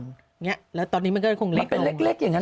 อย่างนี้แล้วตอนนี้มันก็คงเล็กอย่างนั้น